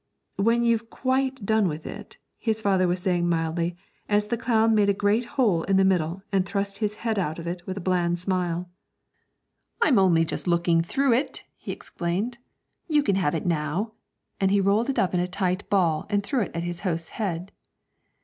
'When you've quite done with it ' his father was saying mildly, as the clown made a great hole in the middle and thrust his head out of it with a bland smile. 'I'm only just looking through it,' he explained; 'you can have it now,' and he rolled it up in a tight ball and threw it at his host's head.